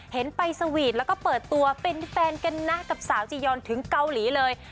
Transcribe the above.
เห็นไปสวีทแล้วก็เปิดตัวเป็นแฟนกันนะกับสาวจียอนถึงเกาหลีเลย